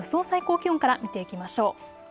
最高気温から見ていきましょう。